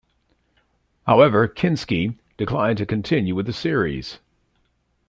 However, Kinskey declined to continue with the series.